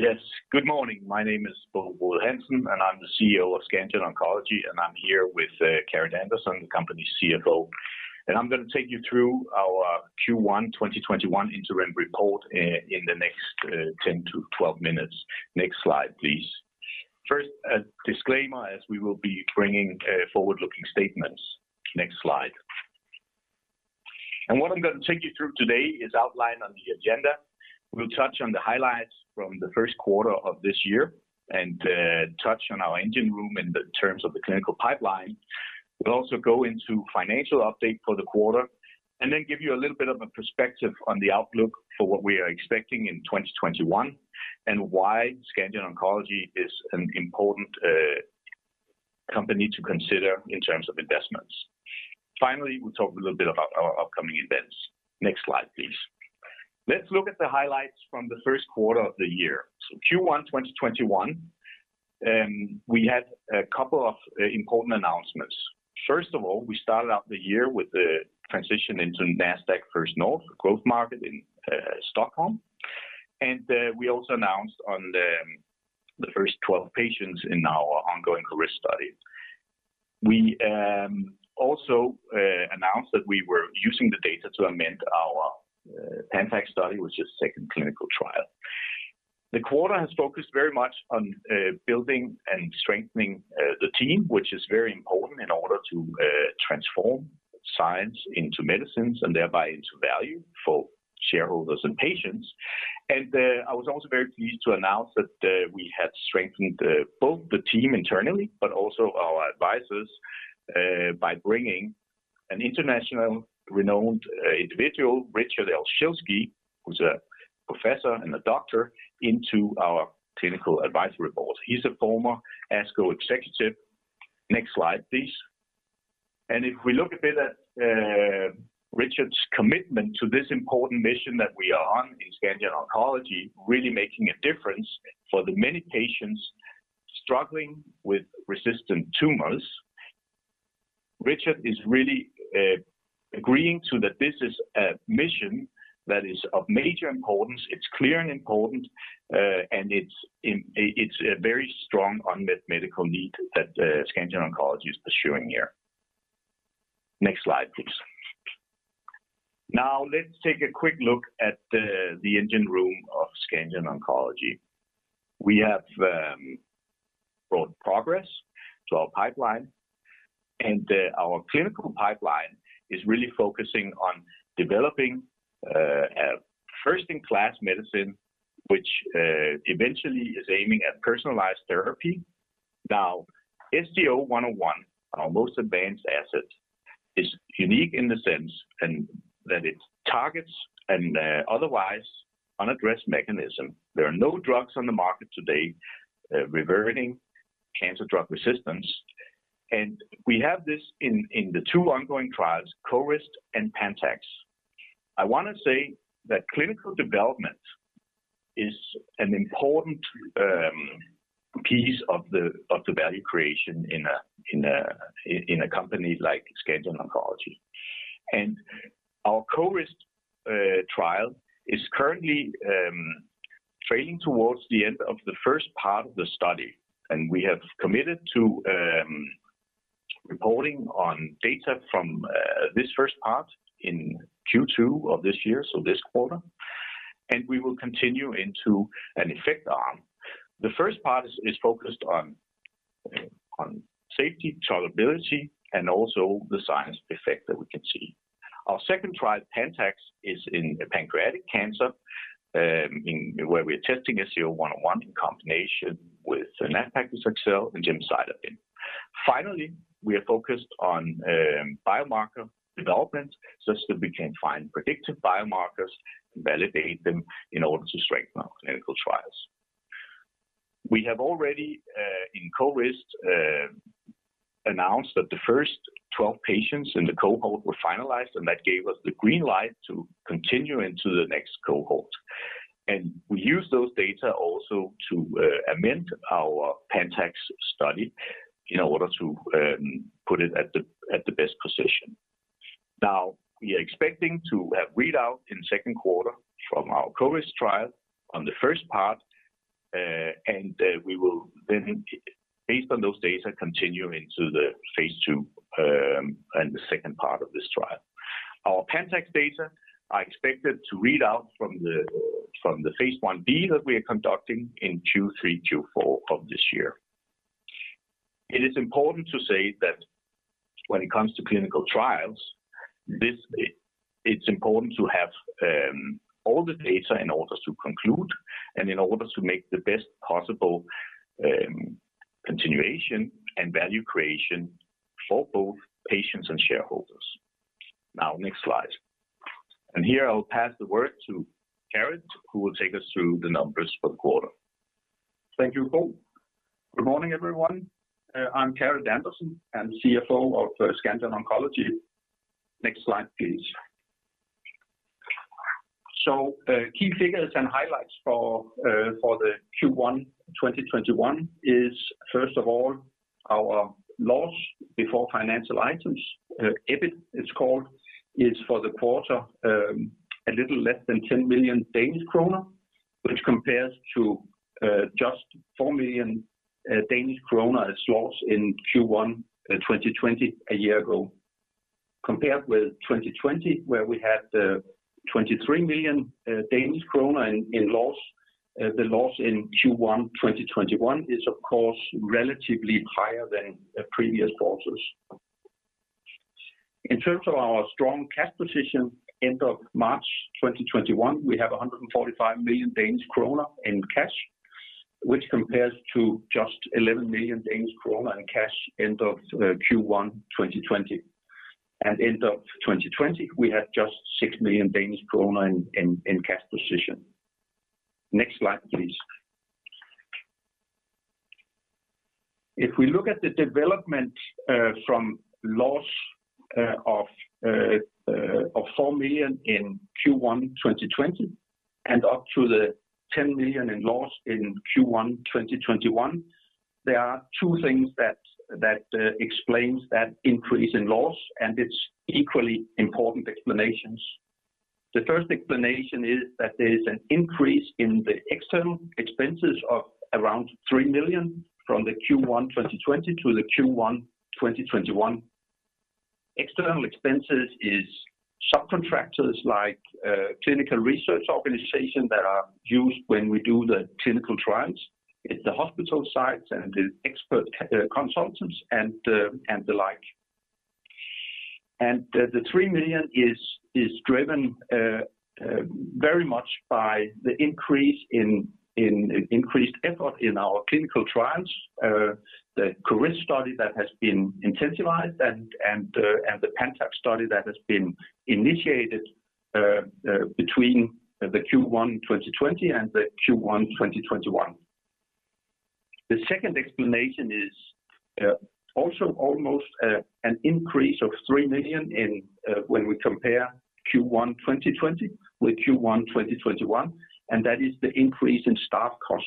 Yes. Good morning. My name is Bo Rode Hansen, I'm the CEO of Scandion Oncology, I'm here with Carit Andersen, the company's CFO. I'm going to take you through our Q1 2021 Interim Report in the next 10-12 minutes. Next slide, please. First, a disclaimer as we will be bringing forward-looking statements. Next slide. What I'm going to take you through today is outlined on the agenda. We'll touch on the highlights from the first quarter of this year and touch on our engine room in terms of the clinical pipeline. We'll also go into financial update for the quarter then give you a little bit of a perspective on the outlook for what we are expecting in 2021 and why Scandion Oncology is an important company to consider in terms of investments. Finally, we'll talk a little bit about our upcoming events. Next slide, please. Let's look at the highlights from the first quarter of the year. Q1 2021, we had a couple of important announcements. First of all, we started out the year with a transition into Nasdaq First North, a growth market in Stockholm. Then we also announced on the first 12 patients in our ongoing CORIST study. We also announced that we were using the data to amend our PANTAX study, which is second clinical trial. The quarter has focused very much on building and strengthening the team, which is very important in order to transform science into medicines and thereby into value for shareholders and patients. Then I was also very pleased to announce that we have strengthened both the team internally but also our advisors by bringing an international renowned individual, Richard L. Schilsky, who's a professor and a doctor, into our clinical advisory board. He's a former ASCO executive. Next slide, please. If we look a bit at Richard's commitment to this important mission that we are on in Scandion Oncology, really making a difference for the many patients struggling with resistant tumors. Richard is really agreeing to that this is a mission that is of major importance, it's clear and important, and it's a very strong unmet medical need that Scandion Oncology is pursuing here. Next slide, please. Let's take a quick look at the engine room of Scandion Oncology. We have both progress to our pipeline and our clinical pipeline is really focusing on developing a first-in-class medicine, which eventually is aiming at personalized therapy. SCO-101, our most advanced asset, is unique in the sense that it targets an otherwise unaddressed mechanism. There are no drugs on the market today reverting cancer drug resistance, and we have this in the two ongoing trials, CORIST and PANTAX. I want to say that clinical development is an important piece of the value creation in a company like Scandion Oncology. Our CORIST trial is currently training towards the end of the first part of the study, and we have committed to reporting on data from this first part in Q2 of this year, so this quarter, and we will continue into an effect arm. The first part is focused on safety, tolerability and also the science effect that we can see. Our second trial, PANTAX, is in the pancreatic cancer, where we're testing SCO-101 in combination with nab-paclitaxel and gemcitabine. Finally, we are focused on biomarker development such that we can find predictive biomarkers and validate them in order to strengthen our clinical trials. We have already, in CORIST, announced that the first 12 patients in the cohort were finalized, that gave us the green light to continue into the next cohort. We use those data also to amend our PANTAX study in order to put it at the best position. Now we are expecting to read out in the second quarter from our CORIST trial on the first part, then we will then, based on those data, continue into the phase II and the second part of this trial. Our PANTAX data are expected to read out from the phase I-B that we are conducting in Q3, Q4 of this year. It is important to say that when it comes to clinical trials, it's important to have all the data in order to conclude and in order to make the best possible continuation and value creation for both patients and shareholders. Next slide. Here I'll pass the word to Carit, who will take us through the numbers for the quarter. Thank you, Bo. Good morning, everyone. I'm Carit Andersen. I'm CFO of Scandion Oncology. Next slide, please. Key figures and highlights for the Q1 2021 is first of all. Our loss before financial items, EBIT it's called, is for the quarter, a little less than 10 million Danish kroner, which compares to just 4 million Danish kroner as loss in Q1 in 2020, a year ago. Compared with 2020, where we had 23 million Danish kroner in loss, the loss in Q1 2021 is, of course, relatively higher than previous quarters. In terms of our strong cash position end of March 2021, we have 145 million Danish kroner in cash, which compares to just 11 million Danish kroner in cash end of Q1 2020. End of 2020, we had just 6 million in cash position. Next slide, please. If we look at the development from loss of 4 million in Q1 2020 and up to the 10 million in loss in Q1 2021, there are two things that explains that increase in loss. It's equally important explanations. The first explanation is that there's an increase in the external expenses of around 3 million from the Q1 2020 to the Q1 2021. External expenses is subcontractors like a clinical research organization that are used when we do the clinical trials at the hospital sites and the expert consultants and the like. The 3 million is driven very much by the increased effort in our clinical trials, the CORIST study that has been intensified and the PANTAX study that has been initiated between the Q1 2020 and the Q1 2021. The second explanation is also almost an increase of 3 million when we compare Q1 2020 with Q1 2021. That is the increase in staff cost.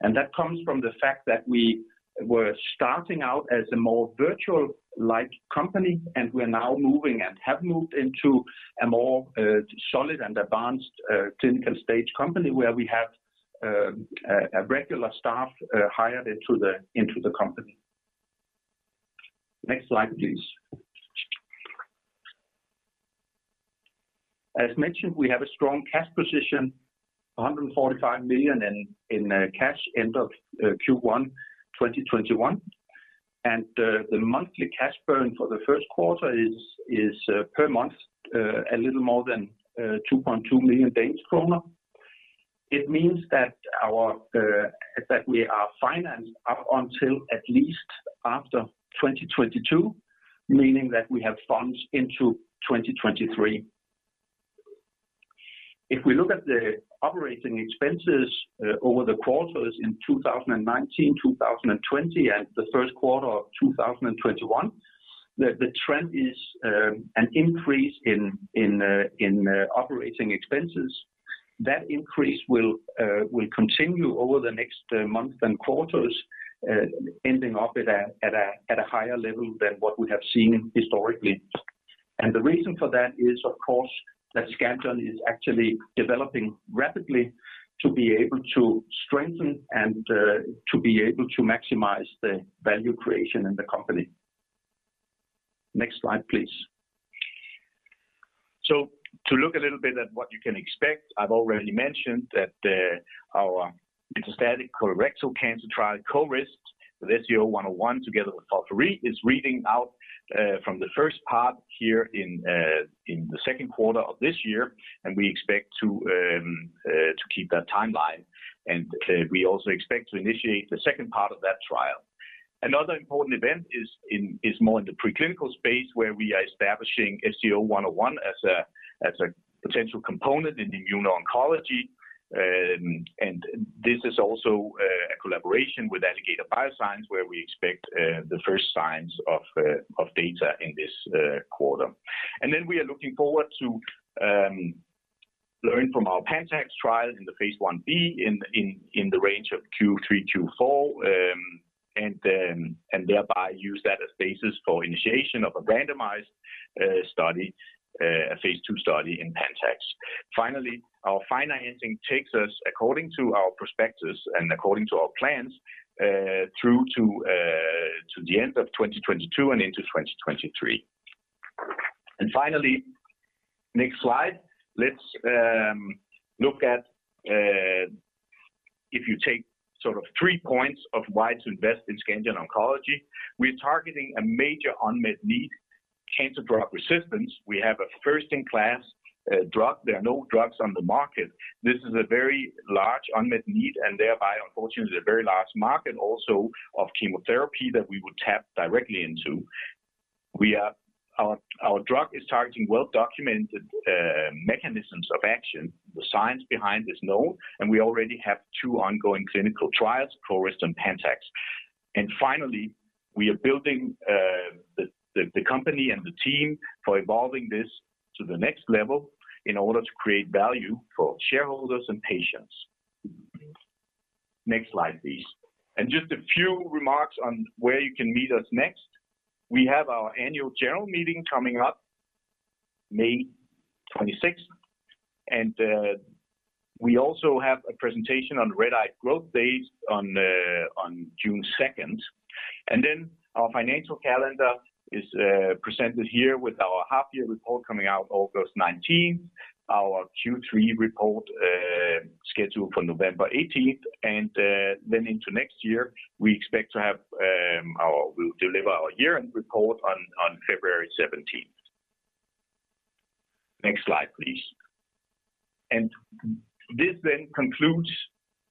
That comes from the fact that we were starting out as a more virtual-like company, and we're now moving and have moved into a more solid and advanced clinical stage company where we have a regular staff hired into the company. Next slide, please. As mentioned, we have a strong cash position, 145 million in cash end of Q1 2021. The monthly cash burn for the first quarter is per month, a little more than 2.2 million Danish kroner. It means that we are financed up until at least after 2022, meaning that we have funds into 2023. If we look at the operating expenses over the quarters in 2019, 2020, and the first quarter of 2021, the trend is an increase in operating expenses. That increase will continue over the next months and quarters, ending up at a higher level than what we have seen historically. The reason for that is, of course, that Scandion is actually developing rapidly to be able to strengthen and to be able to maximize the value creation in the company. Next slide, please. To look a little bit at what you can expect, I've already mentioned that our metastatic colorectal cancer trial, CORIST, with SCO-101 together with FOLFIRI, is reading out from the first part here in the second quarter of this year, and we expect to keep that timeline. We also expect to initiate the second part of that trial. Another important event is more in the preclinical space where we are establishing SCO-101 as a potential component in immuno-oncology. This is also a collaboration with Alligator Bioscience, where we expect the first signs of data in this quarter. Then we are looking forward to learning from our PANTAX trial in the phase I-B in the range of Q3, Q4, and thereby use that as basis for initiation of a randomized study, a phase II study in PANTAX. Finally, our financing takes us according to our prospectus and according to our plans, through to the end of 2022 and into 2023. Finally, next slide, let's look at if you take sort of three points of why to invest in Scandion Oncology. We're targeting a major unmet need, cancer drug resistance. We have a first-in-class drug. There are no drugs on the market. This is a very large unmet need, thereby, unfortunately, a very large market also of chemotherapy that we would tap directly into. Our drug is targeting well-documented mechanisms of action. The science behind is known. We already have two ongoing clinical trials, CORIST and PANTAX. Finally, we are building the company and the team for evolving this to the next level in order to create value for shareholders and patients. Next slide, please. Just a few remarks on where you can meet us next. We have our annual general meeting coming up May 26th, and we also have a presentation on Redeye Growth Day on June 2nd. Then our financial calendar is presented here with our half-year report coming out August 19th, our Q3 report scheduled for November 18th, and then into next year, we expect to deliver our year-end report on February 17th. Next slide, please. This then concludes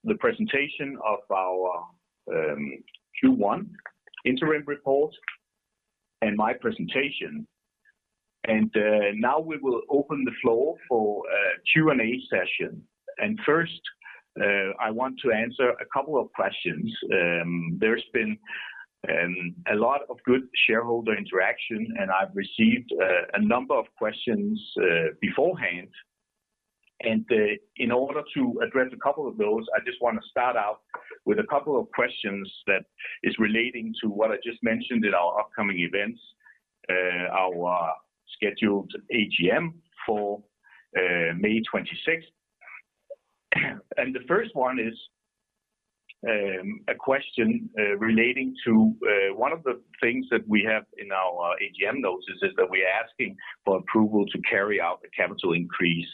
the presentation of our Q1 Interim Report and my presentation. Now we will open the floor for a Q&A session. First, I want to answer a couple of questions. There's been a lot of good shareholder interaction, and I've received a number of questions beforehand. In order to address a couple of those, I just want to start out with a couple of questions that is relating to what I just mentioned in our upcoming events, our scheduled AGM for May 26th. The first one is a question relating to one of the things that we have in our AGM notice is that we are asking for approval to carry out the capital increase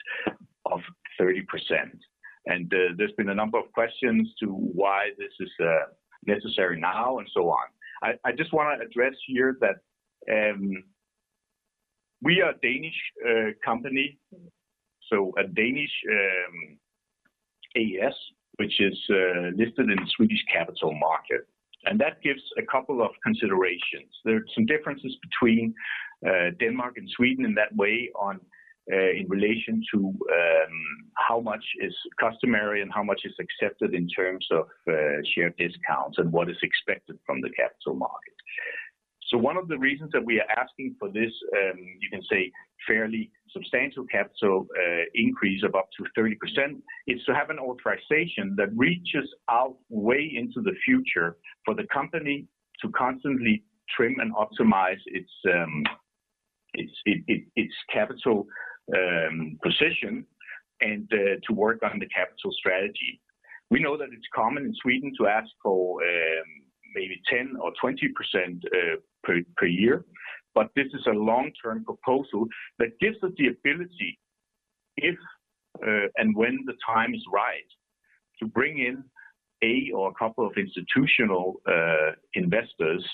of 30%. There's been a number of questions to why this is necessary now and so on. I just want to address here that we are a Danish company, so a Danish A/S, which is listed in the Swedish capital market, and that gives a couple of considerations. There are some differences between Denmark and Sweden in that way in relation to how much is customary and how much is accepted in terms of share discounts and what is expected from the capital market. One of the reasons that we are asking for this, you can say, fairly substantial capital increase of up to 30%, is to have an authorization that reaches out way into the future for the company to constantly trim and optimize its capital position and to work on the capital strategy. We know that it's common in Sweden to ask for maybe 10% or 20% per year, but this is a long-term proposal that gives us the ability, if and when the time is right, to bring in a or a couple of institutional investors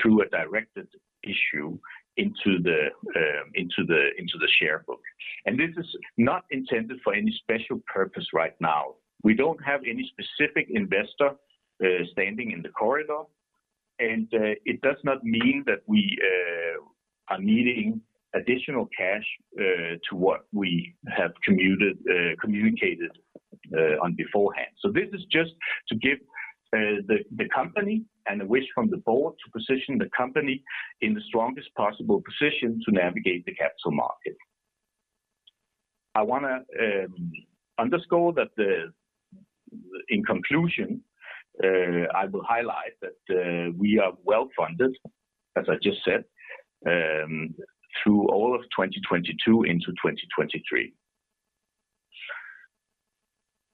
through a directed issue into the share book. This is not intended for any special purpose right now. We don't have any specific investor standing in the corridor, and it does not mean that we are needing additional cash to what we have communicated on beforehand. This is just to give the company, and a wish from the board, to position the company in the strongest possible position to navigate the capital market. I want to underscore that in conclusion, I will highlight that we are well-funded, as I just said, through all of 2022 into 2023.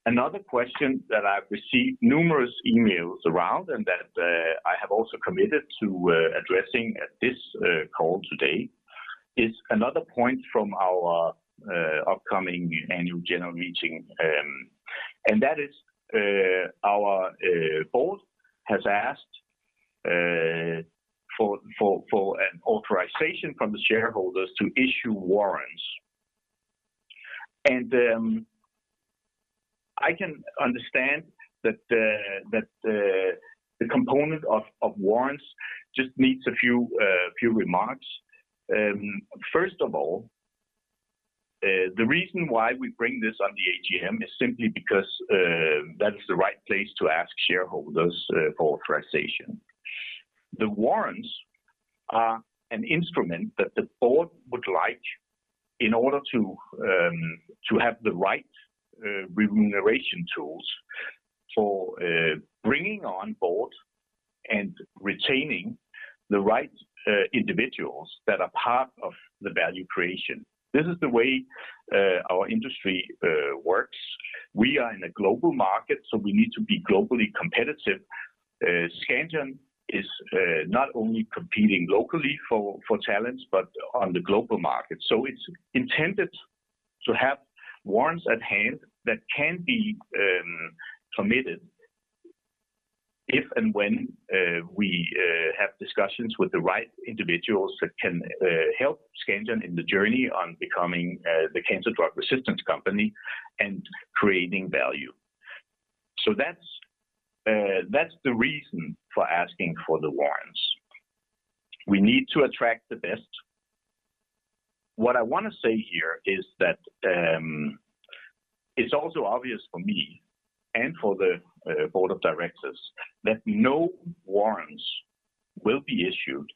Another question that I've received numerous emails around and that I have also committed to addressing at this call today is another point from our upcoming annual general meeting, and that is our board has asked for an authorization from the shareholders to issue warrants. I can understand that the component of warrants just needs a few remarks. First of all, the reason why we bring this on the AGM is simply because that's the right place to ask shareholders for authorization. The warrants are an instrument that the board would like in order to have the right remuneration tools for bringing on board and retaining the right individuals that are part of the value creation. This is the way our industry works. We are in a global market, so we need to be globally competitive. Scandion is not only competing locally for talents, but on the global market. It's intended to have warrants at hand that can be committed if and when we have discussions with the right individuals that can help Scandion in the journey on becoming the cancer drug resistance company and creating value. That's the reason for asking for the warrants. We need to attract the best. What I want to say here is that it's also obvious for me and for the board of directors that no warrants will be issued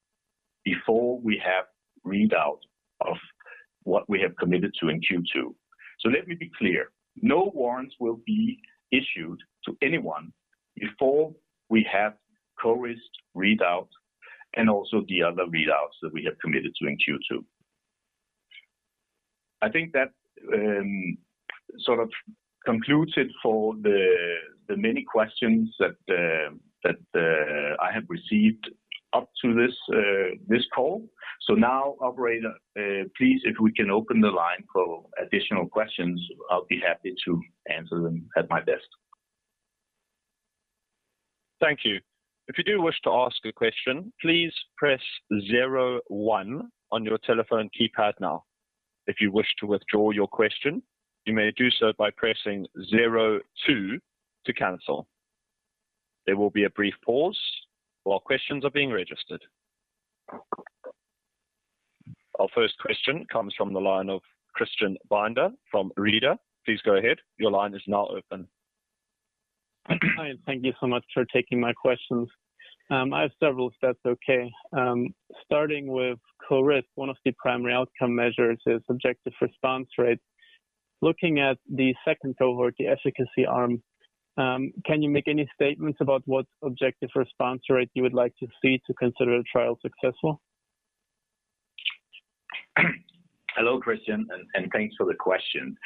before we have readout of what we have committed to in Q2. Let me be clear. No warrants will be issued to anyone before we have CORIST readout and also the other readouts that we have committed to in Q2. I think that sort of concludes it for the many questions that I have received up to this call. Now operator, please, if we can open the line for additional questions, I'll be happy to answer them at my desk. Thank you. If you do wish to ask a question, please press zero one on your telephone keypad now. If you wish to withdraw your question, you may do so by pressing zero two to cancel. There will be a brief pause while questions are being registered. Our first question comes from the line of Christian Binder from Redeye. Please go ahead. Your line is now open. Thank you so much for taking my questions. I have several, if that's okay. Starting with CORIST, one of the primary outcome measures is objective response rate. Looking at the second cohort, the efficacy arm, can you make any statements about what objective response rate you would like to see to consider a trial successful? Hello, Christian, and thanks for the question.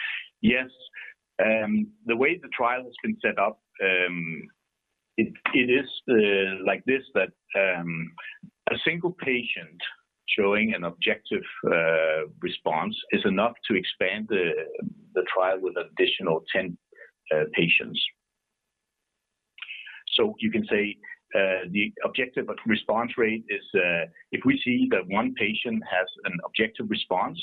Yes, the way the trial has been set up, it is like this, that a single patient showing an objective response is enough to expand the trial with an additional 10 patients. You can say the objective response rate is if we see that one patient has an objective response,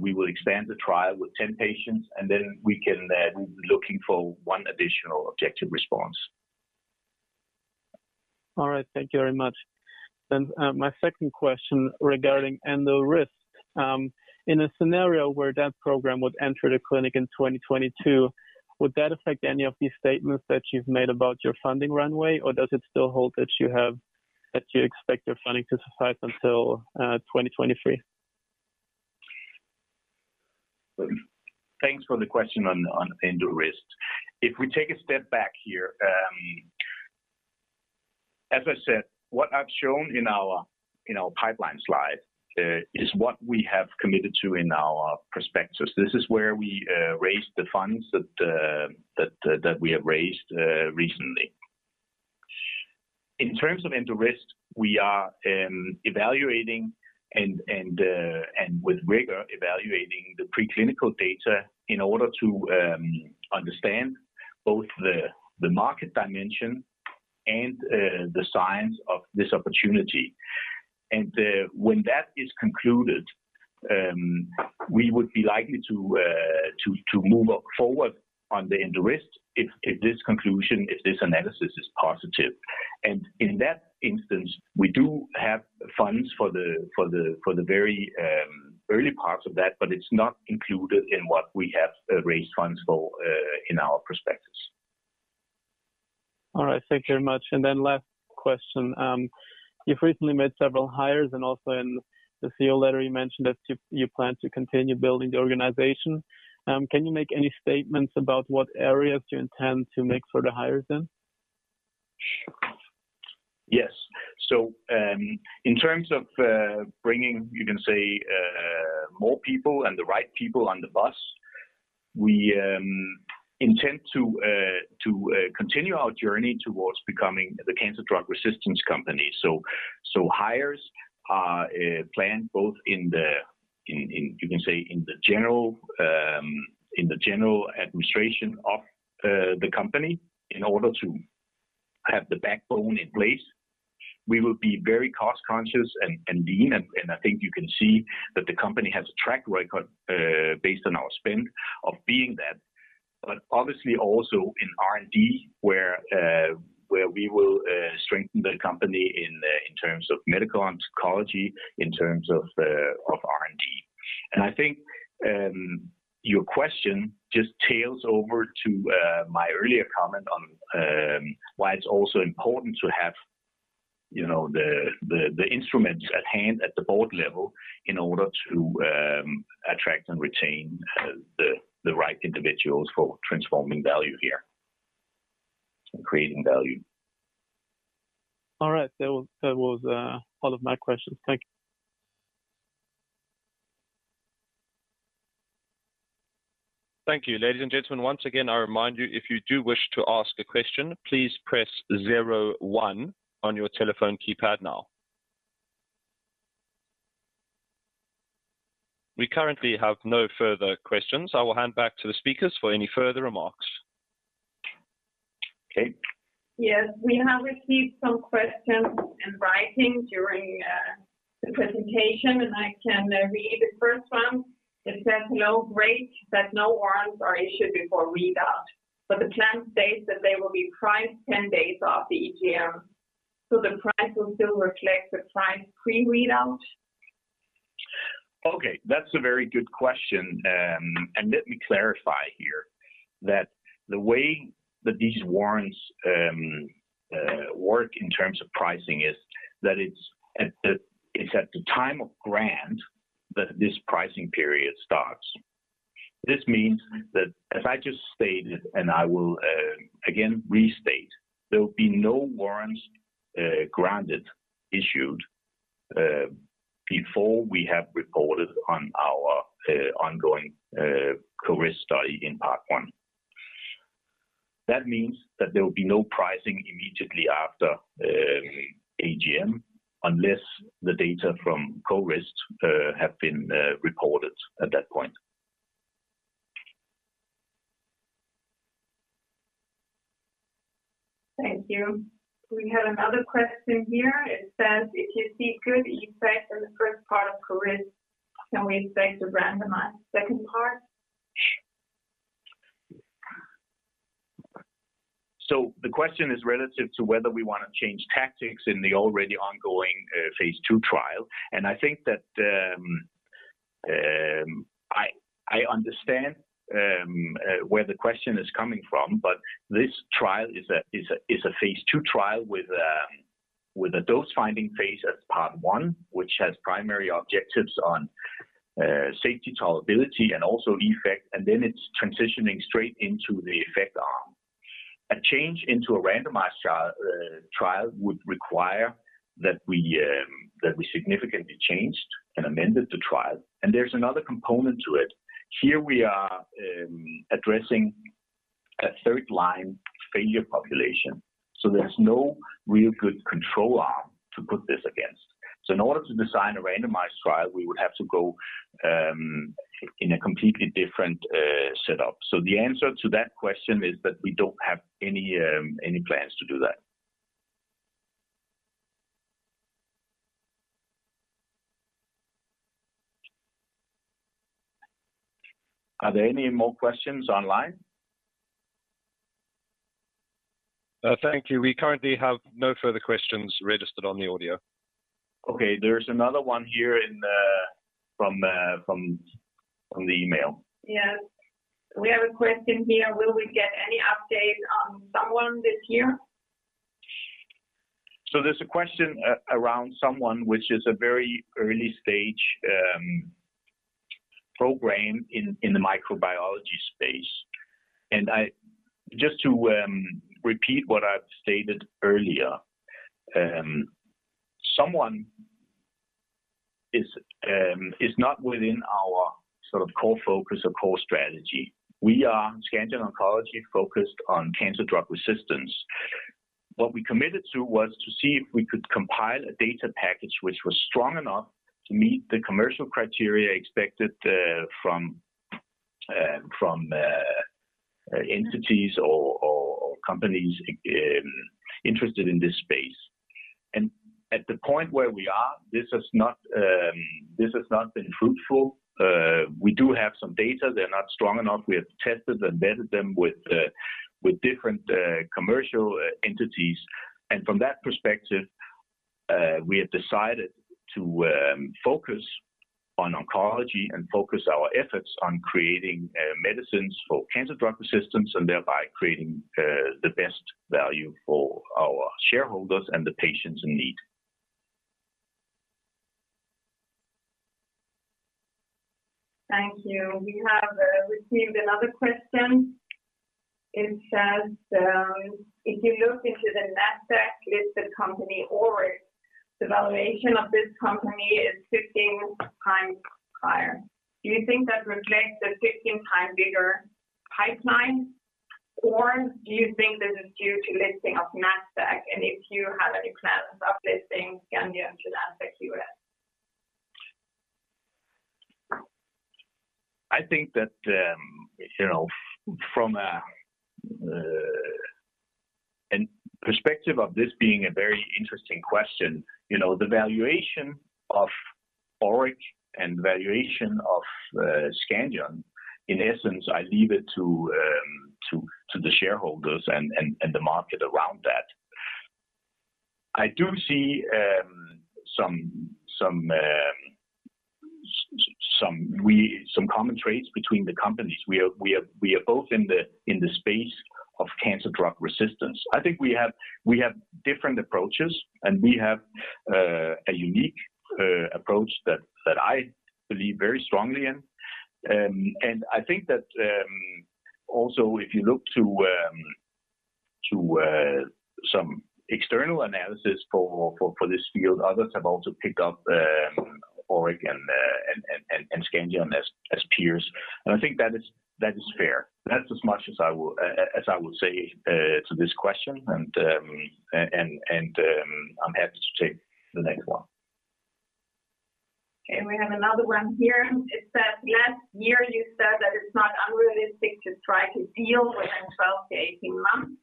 we will expand the trial with 10 patients, and then we can then be looking for one additional objective response. All right. Thank you very much. My second question regarding EndoRIST. In a scenario where that program would enter the clinic in 2022, would that affect any of the statements that you've made about your funding runway, or does it still hold that you expect your funding to suffice until 2023? Thanks for the question on EndoRIST. If we take a step back here, as I said, what I've shown in our pipeline slide is what we have committed to in our prospectus. This is where we raised the funds that we have raised recently. In terms of EndoRIST, we are evaluating, and with rigor, evaluating the preclinical data in order to understand both the market dimension and the science of this opportunity. When that is concluded, we would be likely to move forward on the EndoRIST if this conclusion, if this analysis is positive. In that instance, we do have funds for the very early parts of that, but it's not included in what we have raised funds for in our prospectus. All right. Thank you very much. Last question. You've recently made several hires, and also in the CEO letter, you mentioned that you plan to continue building the organization. Can you make any statements about what areas you intend to make further hires in? Yes. In terms of bringing, you can say, more people and the right people on the bus, we intend to continue our journey towards becoming the cancer drug resistance company. Hires are planned both in the general administration of the company in order to have the backbone in place. We will be very cost-conscious and lean, and I think you can see that the company has a track record based on our spend of being that. Obviously also in R&D, where we will strengthen the company in terms of medical oncology, in terms of R&D. I think your question just tails over to my earlier comment on why it's also important to have the instruments at hand at the board level in order to attract and retain the right individuals for transforming value here. Creating value. All right. That was all of my questions. Thank you. Thank you. Ladies and gentlemen, once again, I remind you, if you do wish to ask a question, please press zero one on your telephone keypad now. We currently have no further questions. I will hand back to the speakers for any further remarks. Kate? Yes. We have received some questions in writing during the presentation. I can read the first one. It says: [No break] that no warrants are issued before readout, but the plan states that they will be priced 10 days off AGM. The price will still reflect the price pre-readout? Okay. That's a very good question, and let me clarify here that the way that these warrants work in terms of pricing is that it's at the time of grant that this pricing period starts. This means that as I just stated, and I will again restate, there will be no warrants granted issued before we have reported on our ongoing CORIST study in part 1. That means that there will be no pricing immediately after AGM unless the data from CORIST have been reported at that point. Thank you. We have another question here. It says, "If you see a good effect in the first part of CORIST, can we expect a randomized second part? The question is relative to whether we want to change tactics in the already ongoing phase II trial. I think that I understand where the question is coming from, but this trial is a phase II trial with a dose-finding phase as part 1, which has primary objectives on safety tolerability and also effect, and then it's transitioning straight into the effect arm. A change into a randomized trial would require that we significantly changed and amended the trial. There's another component to it. Here we are addressing a third-line failure population, so there's no real good control arm to put this against. In order to design a randomized trial, we would have to go in a completely different setup. The answer to that question is that we don't have any plans to do that. Are there any more questions online? Thank you. We currently have no further questions registered on the audio. Okay, there's another one here from the email. Yes. We have a question here, "Will we get any update on SOM-001 this year? There's a question around SOM-001, which is a very early-stage program in the microbiology space. Just to repeat what I've stated earlier, SOM-001 is not within our sort of core focus or core strategy. We are, Scandion Oncology, focused on cancer drug resistance. What we committed to was to see if we could compile a data package which was strong enough to meet the commercial criteria expected from entities or companies interested in this space. At the point where we are, this has not been fruitful. We do have some data. They're not strong enough. We have tested and vetted them with different commercial entities. From that perspective, we have decided to focus on oncology and focus our efforts on creating medicines for cancer drug resistance and thereby creating the best value for our shareholders and the patients in need. Thank you. We have received another question. It says, "If you look into the Nasdaq-listed company ORIC, the valuation of this company is 15 times higher. Do you think that reflects a 15 times bigger pipeline, or do you think this is due to listing of Nasdaq? If you had any comments about listing Scandion to Nasdaq U.S.? I think that from a perspective of this being a very interesting question, the valuation of ORIC and valuation of Scandion, in essence, I leave it to the shareholders and the market around that. I do see some common traits between the companies. We are both in the space of cancer drug resistance. I think we have different approaches, and we have a unique approach that I believe very strongly in. I think that also if you look to some external analysis for this field, others have also picked up ORIC and Scandion as peers. I think that is fair. That's as much as I would say to this question, and I'm happy to take the next one. Okay. We have another one here. It says, "Last year you said that it's not unrealistic to try to deal within 12-18 months.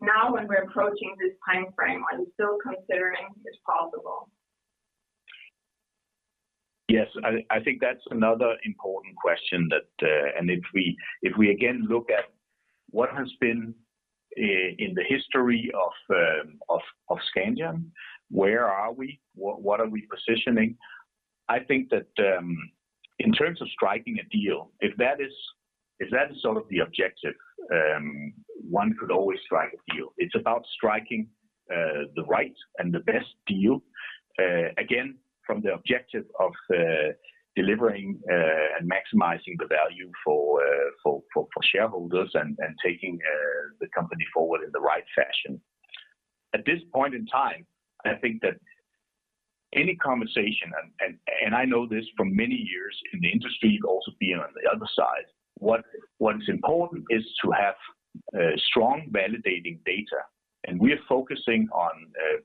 Now when we're approaching this timeframe, are you still considering it possible? Yes. I think that's another important question that, if we again look at what has been in the history of Scandion? Where are we? What are we positioning? I think that in terms of striking a deal, if that is the objective, one could always strike a deal. It's about striking the right and the best deal, again, from the objective of delivering and maximizing the value for shareholders and taking the company forward in the right fashion. At this point in time, I think that any conversation, and I know this from many years in the industry and also being on the other side, what is important is to have strong validating data. We are focusing on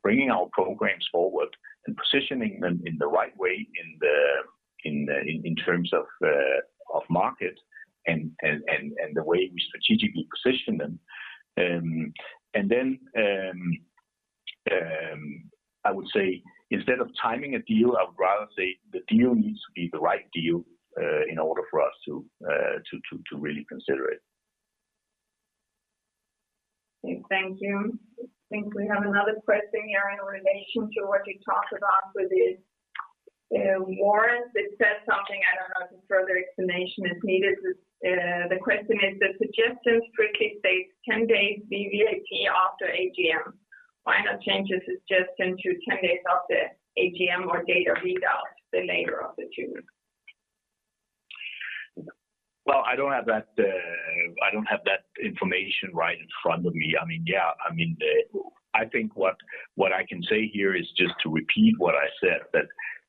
bringing our programs forward and positioning them in the right way in terms of market and the way we strategically position them. I would say, instead of timing a deal, I would rather say the deal needs to be the right deal in order for us to really consider it. Thank you. I think we have another question here in relation to what you talked about with the warrants. It says something. I don't know if a further explanation is needed. The question is the suggestion for 10 days VWAP after AGM. Final changes suggestion to 10 days of the AGM or date of readout, the later of the two. Well, I don't have that information right in front of me. I think what I can say here is just to repeat what I said, that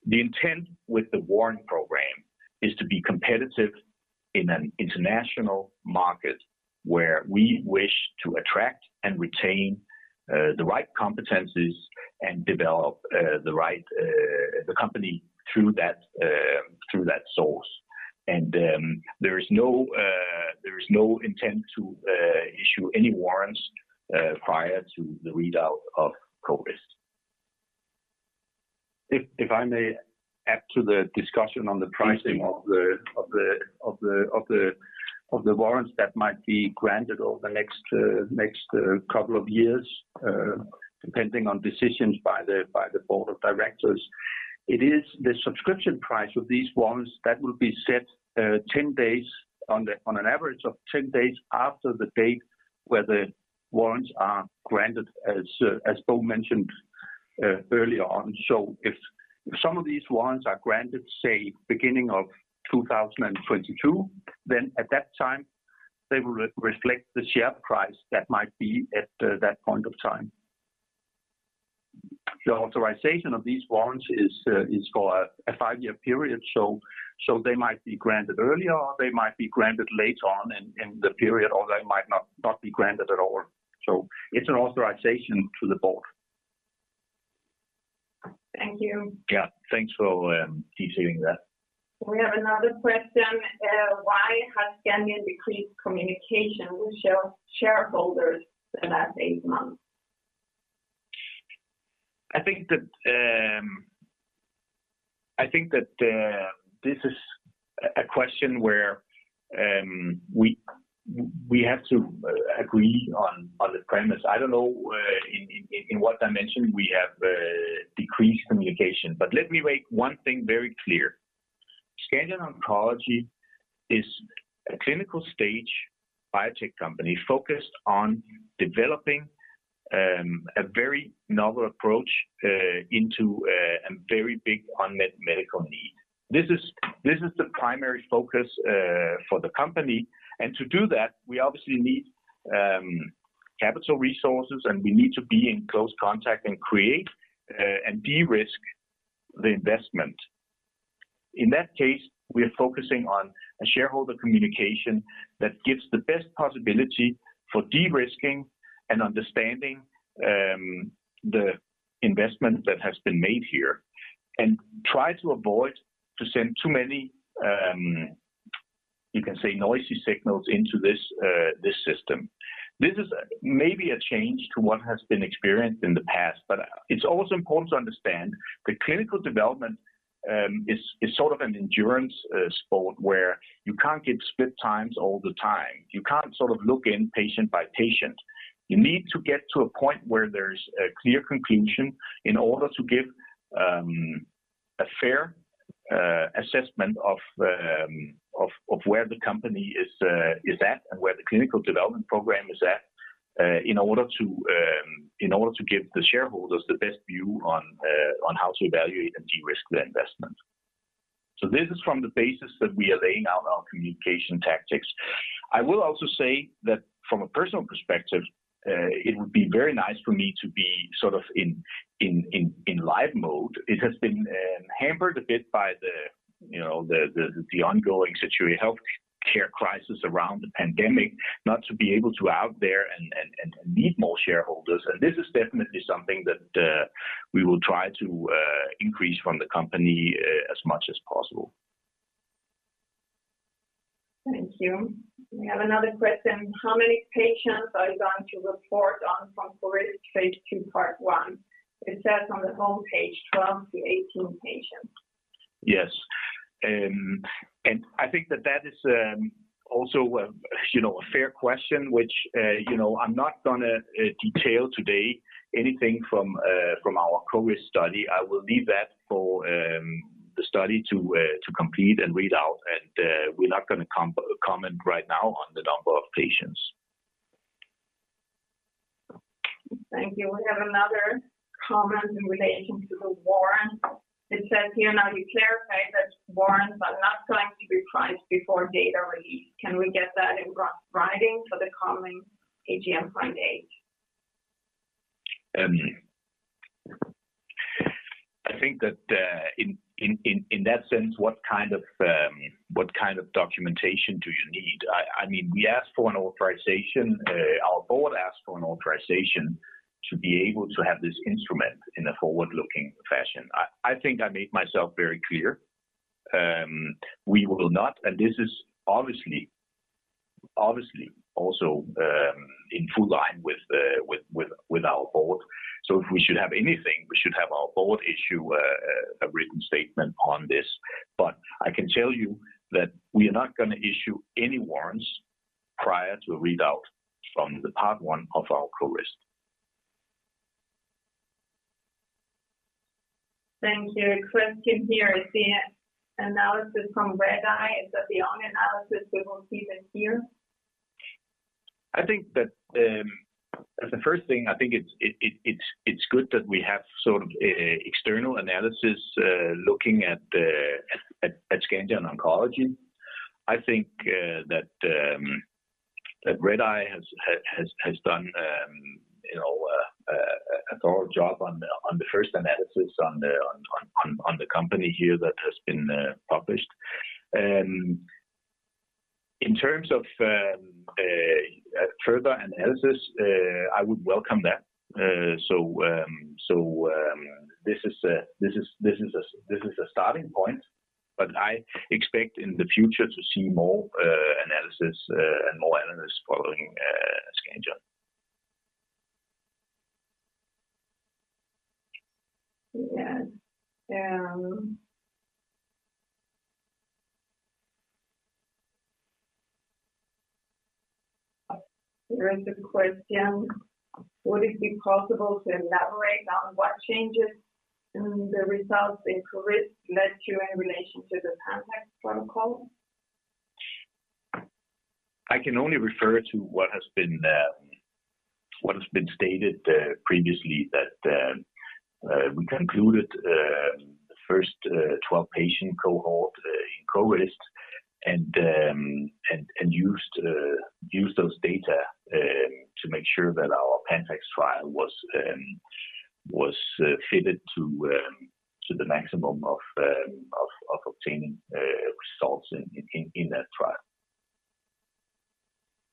the intent with the warrant program is to be competitive in an international market where we wish to attract and retain the right competencies and develop the company through that source. There is no intent to issue any warrants prior to the readout of CORIST. If I may add to the discussion on the pricing of the warrants that might be granted over the next couple of years, depending on decisions by the board of directors, it is the subscription price of these warrants that will be set on an average of 10 days after the date where the warrants are granted, as Bo mentioned earlier on. If some of these warrants are granted, say, beginning of 2022, then at that time, they will reflect the share price that might be at that point of time. The authorization of these warrants is for a five-year period, so they might be granted earlier, or they might be granted later on in the period, or they might not be granted at all. It's an authorization to the board. Thank you. Yeah. Thanks for detailing that. We have another question. Why has Scandion decreased communication with shareholders in the last eight months? I think that this is a question where we have to agree on the premise. I don't know in what dimension we have decreased communication. Let me make one thing very clear. Scandion Oncology is a clinical stage biotech company focused on developing a very novel approach into a very big unmet medical need. This is the primary focus for the company, and to do that, we obviously need capital resources, and we need to be in close contact and create and de-risk the investment. In that case, we are focusing on a shareholder communication that gives the best possibility for de-risking and understanding the investment that has been made here and try to avoid to send too many, you can say, noisy signals into this system. This is maybe a change to what has been experienced in the past, but it's also important to understand the clinical development is sort of an endurance sport where you can't give split times all the time. You can't sort of look in patient by patient. You need to get to a point where there's a clear conclusion in order to give a fair assessment of where the company is at and where the clinical development program is at in order to give the shareholders the best view on how to evaluate and de-risk their investment. This is from the basis that we are laying out our communication tactics. I will also say that from a personal perspective, it would be very nice for me to be sort of in live mode. It has been hampered a bit by the ongoing situation, health care crisis around the pandemic, not to be able to go out there and meet more shareholders. This is definitely something that we will try to increase from the company as much as possible. Thank you. We have another question. How many patients are going to report on from CORIST phase II, part 1? It says on the homepage 12-18 patients. Yes. I think that is also a fair question, which I'm not going to detail today anything from our CORIST study. I will leave that for the study to complete and read out, and we're not going to comment right now on the number of patients. Thank you. We have another comment in relation to the warrant. It says here, "Now you clarified that warrants are not going to be priced before data release. Can we get that in writing for the coming AGM Friday? I think that in that sense, what kind of documentation do you need? We asked for an authorization, our board asked for an authorization to be able to have this instrument in a forward-looking fashion. I think I made myself very clear. We will not, this is obviously also in full line with our board. If we should have anything, we should have our board issue a written statement on this. I can tell you that we are not going to issue any warrants prior to a readout from the part 1 of our CORIST. Thank you. A question here. "Seeing analysis from Redeye, is that the only analysis we will see this year? I think that the first thing, it is good that we have sort of external analysis looking at Scandion Oncology. I think that Redeye has done a thorough job on the first analysis on the company here that has been published. In terms of further analysis, I would welcome that. This is a starting point, but I expect in the future to see more analysis and more analysts following Scandion. Yes. Here is a question, "Would it be possible to elaborate on what changes in the results in CORIST led you in relation to the PANTAX protocol? I can only refer to what has been stated previously, that we concluded the first 12-patient cohort in CORIST and used those data to make sure that our PANTAX trial was fitted to the maximum of obtaining results in that trial.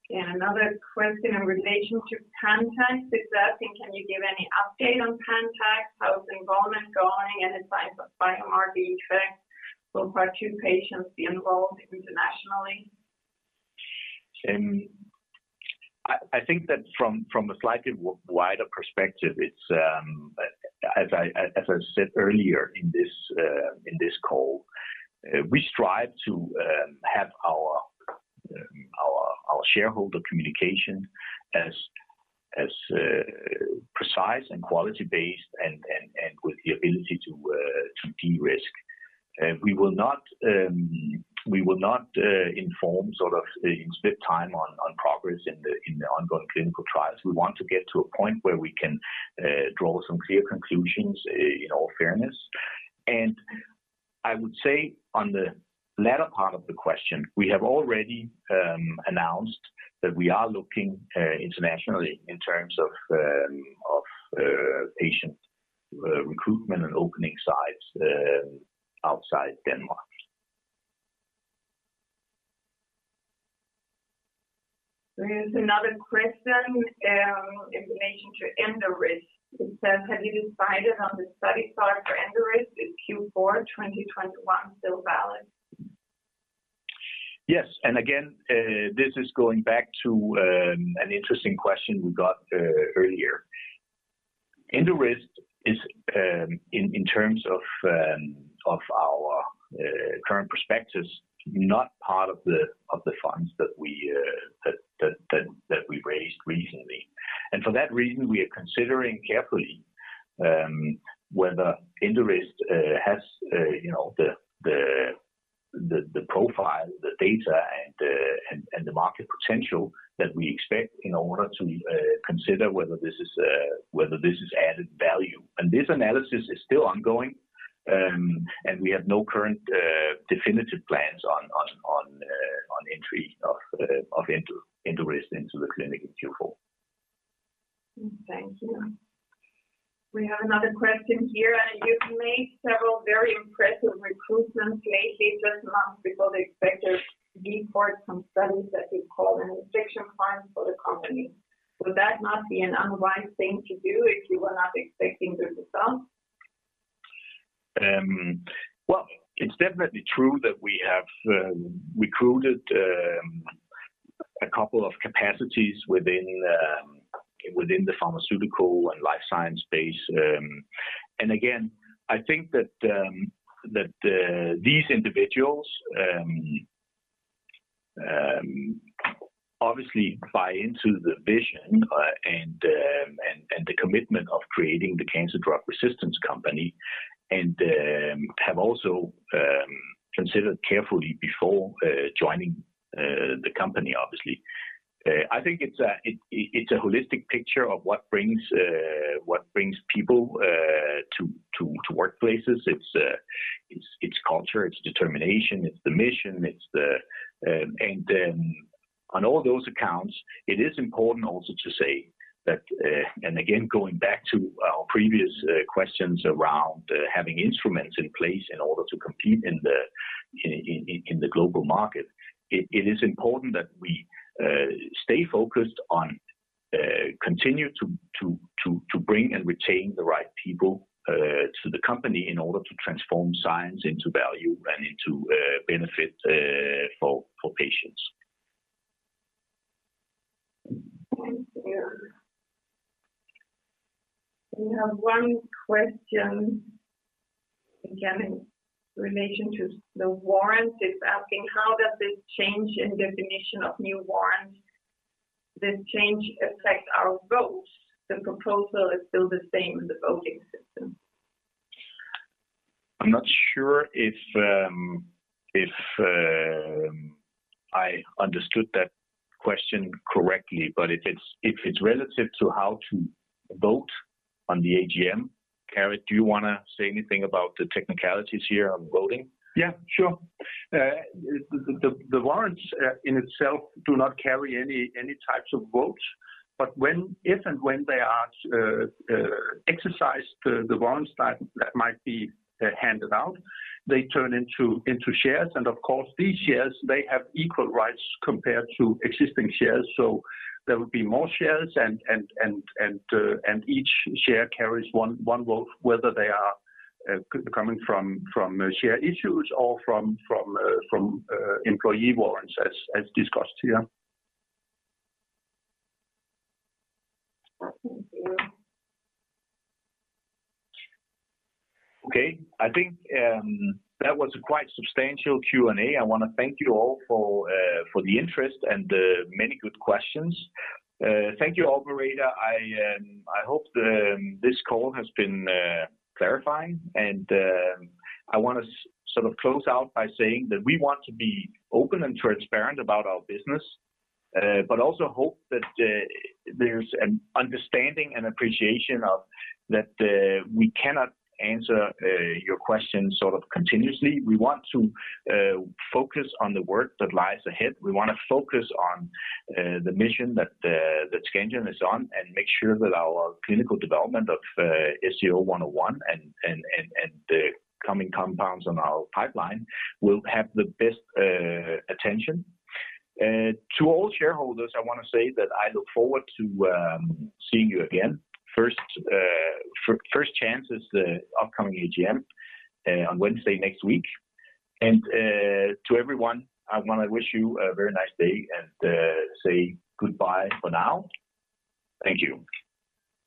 Another question in relationship to PANTAX exactly. "Can you give any update on PANTAX? How is enrollment going and if I may ask, will much more patients be involved internationally? I think that from a slightly wider perspective, as I said earlier in this call, we strive to have our shareholder communication as precise and quality-based and with the ability to de-risk. We will not inform sort of in real time on progress in the ongoing clinical trials. We want to get to a point where we can draw some clear conclusions in all fairness. I would say on the latter part of the question, we have already announced that we are looking internationally in terms of patient recruitment and opening sites outside Denmark. There is another question in relation to EndoRIST. It says, "Have you decided on the study start for EndoRIST in Q4 2021 still valid? Yes. Again, this is going back to an interesting question we got earlier. EndoRIST is, in terms of our current perspectives, not part of the funds that we raised recently. For that reason, we are considering carefully whether EndoRIST has the profile, the data, and the market potential that we expect in order to consider whether this is added value. This analysis is still ongoing, and we have no current definitive plans on entry of EndoRIST into the clinic in Q4. Thank you. We have another question here. "You've made several very impressive recruitment-related announcements because they expect to report some studies that could prove an inflection point for the company. Would that not be an unwise thing to do if you were not expecting good results? Well, it's definitely true that we have recruited a couple of capacities within the pharmaceutical and life science space. Again, I think that these individuals obviously buy into the vision and the commitment of creating the cancer drug resistance company and have also considered carefully before joining the company, obviously. I think it's a holistic picture of what brings people to workplaces. It's culture, it's determination, it's the mission. On all those accounts, it is important also to say that, again, going back to our previous questions around having instruments in place in order to compete in the global market, it is important that we stay focused on continuing to bring and retain the right people to the company in order to transform science into value and into benefits for patients. Thank you. We have one question, again, in relation to the warrants they're asking, how does this change in definition of new warrants, the change affect our votes? The proposal is still the same in the voting system. I'm not sure if I understood that question correctly, but if it's relative to how to vote on the AGM, Carit, do you want to say anything about the technicalities here on voting? Yeah, sure. The warrants in itself do not carry any types of votes. If and when they are exercised, the warrants that might be handed out, they turn into shares. Of course, these shares, they have equal rights compared to existing shares. There will be more shares and each share carries one vote, whether they are coming from share issues or from employee warrants as discussed here. Okay. I think that was a quite substantial Q&A. I want to thank you all for the interest and the many good questions. Thank you, operator. I hope this call has been clarifying. I want to sort of close out by saying that we want to be open and transparent about our business, but also hope that there is an understanding and appreciation that we cannot answer your questions sort of continuously. We want to focus on the work that lies ahead. We want to focus on the mission that Scandion is on and make sure that our clinical development of SCO-101 and the coming compounds on our pipeline will have the best attention. To all shareholders, I want to say that I look forward to seeing you again. First chance is the upcoming AGM on Wednesday next week. To everyone, I want to wish you a very nice day and say goodbye for now. Thank you.